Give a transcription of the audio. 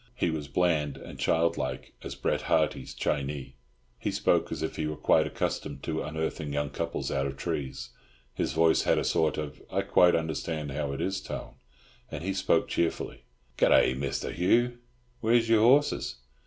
He was bland and child like as Bret Harte's Chinee. He spoke as if he were quite accustomed to unearthing young couples out of trees. His voice had a sort of "I quite understand how it is" tone, and he spoke cheerfully. "Good day, Misther Hugh! Where's your horses?